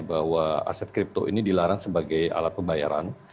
bahwa aset kripto ini dilarang sebagai alat pembayaran